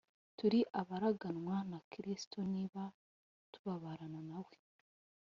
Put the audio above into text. turi abaraganwa na Kristo, niba tubabarana nawe,